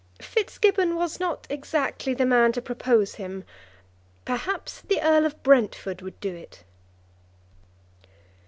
Fitzgibbon was not exactly the man to propose him. Perhaps the Earl of Brentford would do it.